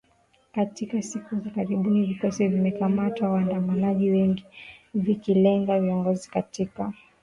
Katika siku za karibuni vikosi vimewakamata waandamanaji wengi , vikilenga viongozi katika makundi pinzani